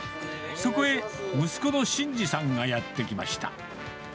そこへ息子の慎司さんがやって来ました。